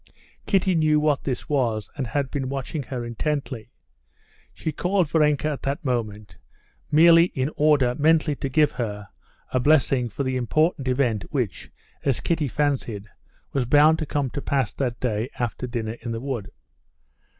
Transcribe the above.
Kitty knew what this was, and had been watching her intently. She called Varenka at that moment merely in order mentally to give her a blessing for the important event which, as Kitty fancied, was bound to come to pass that day after dinner in the wood.